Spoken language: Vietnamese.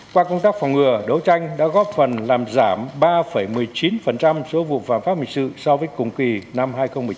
qua công tác phòng ngừa đấu tranh đã góp phần làm giảm ba một mươi chín số vụ phạm pháp hình sự so với cùng kỳ năm hai nghìn một mươi chín